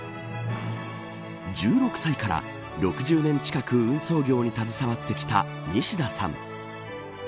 １６歳から６０年近く運送業に携わってきた西田さん。